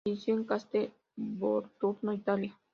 Falleció en Castel Volturno, Italia